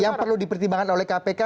yang perlu dipertimbangkan oleh kpk